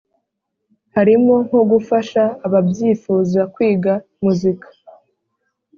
harimo nko gufasha ababyifuza kwiga muzika